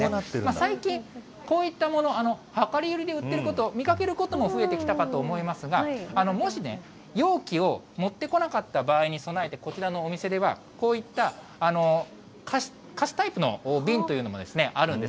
最近、こういったもの、量り売りで売ってること、見かけることも増えてきたかと思いますが、もし、容器を持ってこなかった場合に備えて、こちらのお店では、こういった貸しタイプの瓶というのもあるんです。